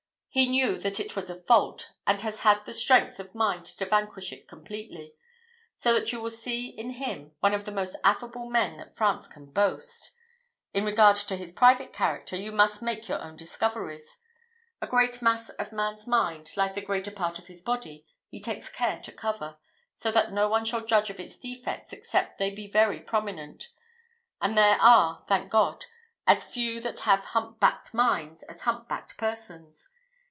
He knew that it was a fault, and has had the strength of mind to vanquish it completely; so that you will see in him one of the most affable men that France can boast. In regard to his private character, you must make your own discoveries. The great mass of a man's mind, like the greater part of his body, he takes care to cover, so that no one shall judge of its defects except they be very prominent; and there are, thank God, as few that have hump backed minds, as hump backed persons!